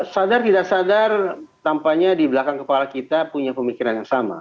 sadar tidak sadar tampaknya di belakang kepala kita punya pemikiran yang sama